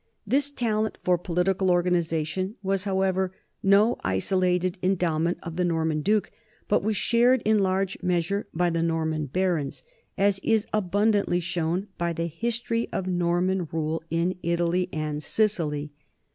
This talent for political organization was, how ever, no isolated endowment of the Norman duke, but was shared in large measure by the Norman barons, as is abundantly shown by the history of Norman rule in Italy and Sicily.